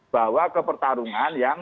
bawa ke pertarungan yang